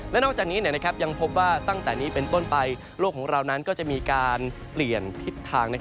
และนอกจากนี้ยังพบว่าตั้งแต่นี้เป็นต้นไปโลกของเรานั้นก็จะมีการเปลี่ยนทิศทาง